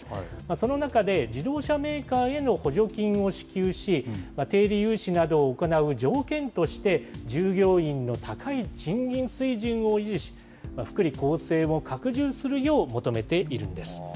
その中で、自動車メーカーへの補助金を支給し、低利融資などを行う条件として、従業員の高い賃金水準を維持し、福利厚生も拡充するよう求めているんです。